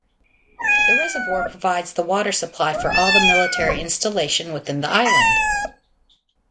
The reservoir provides the water supply for all the military installation within the island.